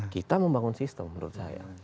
kita membangun sistem menurut saya